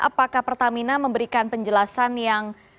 apakah pertamina memberikan penjelasan yang